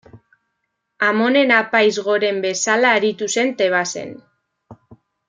Amonen Apaiz Goren bezala aritu zen Tebasen.